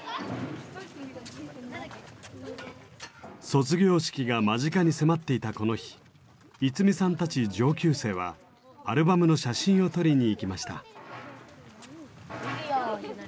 卒業式が間近に迫っていたこの日愛実さんたち上級生はアルバムの写真を撮りに行きました。